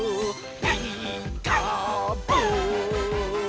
「ピーカーブ！」